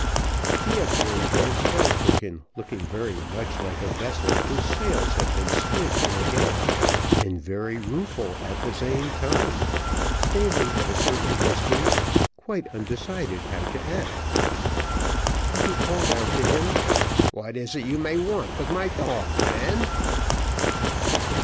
He observed Vanslyperken, looking very much like a vessel whose sails have been split in a gale, and very rueful at the same time, standing at a certain distance, quite undecided how to act, and he called out to him, "What is it you may want with my dog, man?"